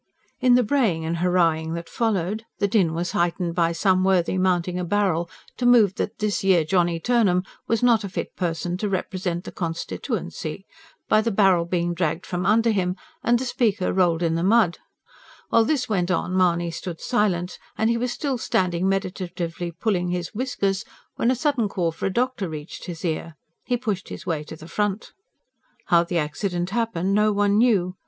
In the braying and hurrahing that followed the din was heightened by some worthy mounting a barrel to move that "this yere Johnny Turnham" was not a fit person to represent "the constitooency," by the barrel being dragged from under him, and the speaker rolled in the mud; while this went on Mahony stood silent, and he was still standing meditatively pulling his whiskers when a sudden call for a doctor reached his ear. He pushed his way to the front. How the accident happened no one knew.